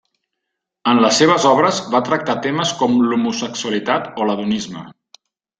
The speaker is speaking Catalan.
En les seves obres va tractar temes com l'homosexualitat o l'hedonisme.